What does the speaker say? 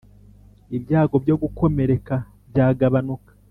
ibyago byo gukomereka byagabanuka